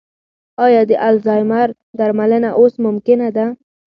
ایا د الزایمر درملنه اوس ممکنه ده؟